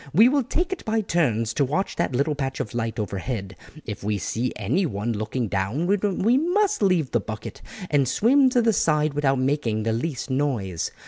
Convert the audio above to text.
We will take it by turns to watch that little patch of light overhead; if we see anyone looking down we must leave the bucket and swim to the side without making the least noise.